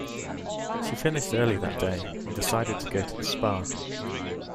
She finished early that day, and decided to go to the spa.